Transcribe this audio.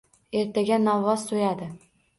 Ertaga novvos soʻyadi.